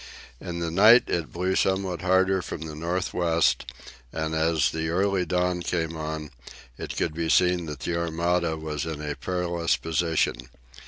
In the night it blew somewhat harder from the north west, and as the early dawn came it was seen that the Armada was in a perilous position.